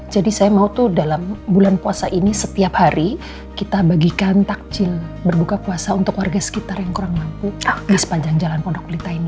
jadi saya mau tuh dalam bulan puasa ini setiap hari kita bagikan takjil berbuka puasa untuk warga sekitar yang kurang mampu di sepanjang jalan pondokulita ini